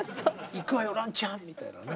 「行くわよランちゃん」みたいなね。